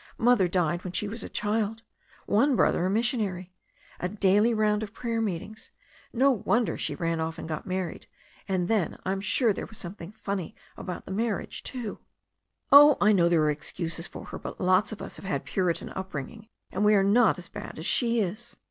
Mother died when she was a child. One brother a missionary. A daily round of prayer meet ings. No wonder she ran off and got married. And, then, I'm sure there was something funny about the marriage too." "Oh, I know there are excuses for her. But lots of us have had a Puritan upbringing and we are not as bad as she is."